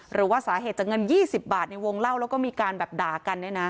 หรือว่าสาเหตุจากเงิน๒๐บาทในวงเล่าแล้วก็มีการแบบด่ากันเนี่ยนะ